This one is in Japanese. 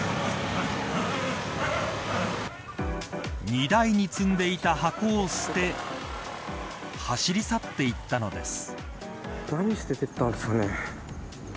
荷台に積んでいた箱を捨て走り去っていったのです。